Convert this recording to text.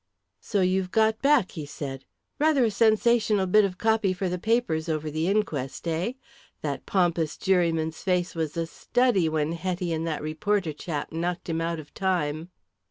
"So you've got back," he said. "Rather a sensational bit of copy for the papers over the inquest, eh? That pompous juryman's face was a study when Hetty and that reporter chap knocked him out of time."